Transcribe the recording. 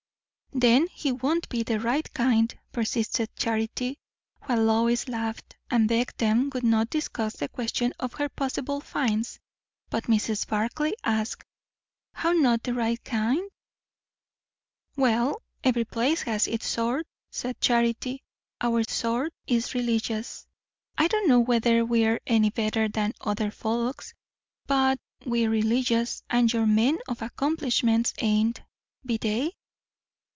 "Then he won't be the right kind," persisted Charity; while Lois laughed, and begged they would not discuss the question of her possible "finds"; but Mrs. Barclay asked, "How not the right kind?" "Well, every place has its sort," said Charity. "Our sort is religious. I don't know whether we're any better than other folks, but we're religious; and your men of accomplishments ain't, be they?"